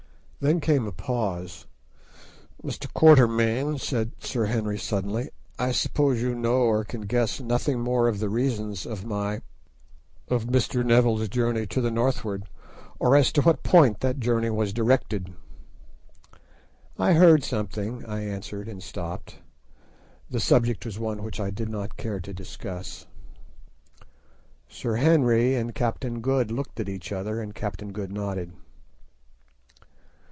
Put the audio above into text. Then came a pause. "Mr. Quatermain," said Sir Henry suddenly, "I suppose you know or can guess nothing more of the reasons of my—of Mr. Neville's journey to the northward, or as to what point that journey was directed?" "I heard something," I answered, and stopped. The subject was one which I did not care to discuss. Sir Henry and Captain Good looked at each other, and Captain Good nodded.